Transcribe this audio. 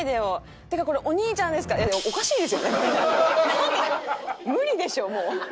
なんか無理でしょもう。